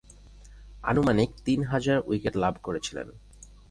আনুমানিক তিন হাজার উইকেট লাভ করেছিলেন।